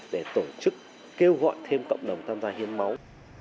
để tổ chức kêu gọi thêm cộng đồng tham gia hiến máu